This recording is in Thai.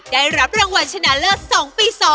ได้รับรางวัลชนะเลิศ๒ปี๒